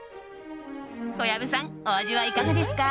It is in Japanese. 小籔さん、お味はいかがですか？